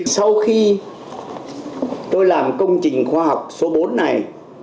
sau khi tôi làm công trình khoa học số bốn này